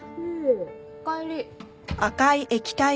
おかえり。